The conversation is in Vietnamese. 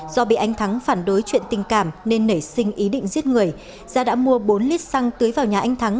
do bị anh thắng phản đối chuyện tình cảm nên nảy sinh ý định giết người gia đã mua bốn lít xăng tưới vào nhà anh thắng